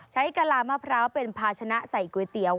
กะลามะพร้าวเป็นภาชนะใส่ก๋วยเตี๋ยว